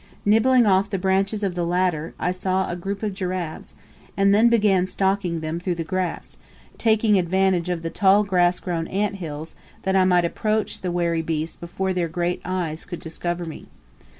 Nibbling off the branches of the latter, I saw a group of giraffes, and then began stalking them through the grass, taking advantage of the tall grass grown ant hills that I might approach the wary beasts before their great eyes could discover me.